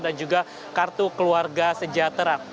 dan juga kartu keluarga sejahtera